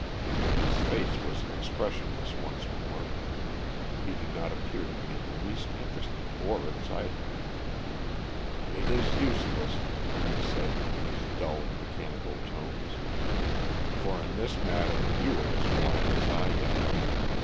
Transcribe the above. His face was expressionless once more. He did not appear to be in the least interested or excited. "It is useless," he said, in his dull mechanical tones. "For in this matter you are as blind as I am.